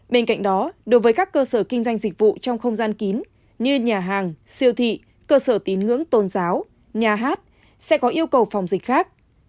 bên cạnh đó đối với các cơ sở kinh doanh dịch vụ trong không gian kín như nhà hàng siêu thị cơ sở tín ngưỡng tôn giáo nhà hát sẽ có yêu cầu phòng dịch khác